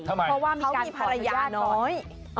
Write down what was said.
เขามีภารยาน้อย